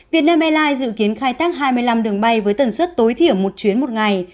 việt nam airlines dự kiến khai thác hai mươi năm đường bay với tần suất tối thiểu một chuyến một ngày